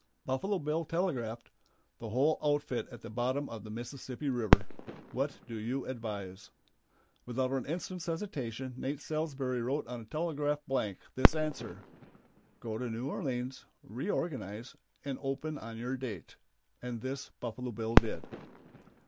Buffalo Bill telegraphed, "The whole outfit at the bottom of the Mississippi River. What do you advise?" Without an instant's hesitation Nate Salsbury wrote on a telegraph blank this answer, "Go to New Orleans, reorganize, and open on your date," and this Buffalo Bill did.